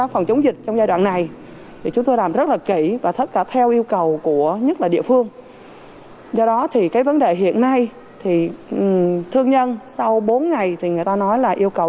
sau bốn ngày thì người ta nói là yêu cầu